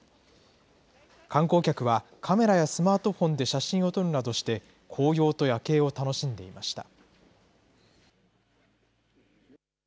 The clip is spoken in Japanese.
観光客は、カメラやスマートフォンで写真を撮るなどして、紅葉と夜景を楽しんでいました。